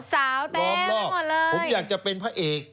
สาวแป้งหมดเลยร้อมผมอยากจะเป็นพระเอก